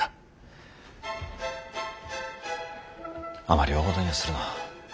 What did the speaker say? あまり大ごとにはするな。